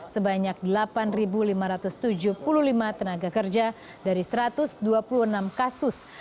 sebanyak delapan lima ratus tujuh puluh lima tenaga kerja dari satu ratus dua puluh enam kasus